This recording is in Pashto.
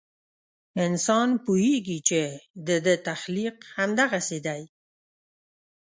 انسان پوهېږي چې د ده تخلیق همدغسې دی.